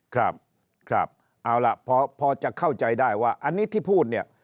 ครับครับเอาล่ะพอจะเข้าใจได้ว่าอันนี้ที่พูดเนี่ย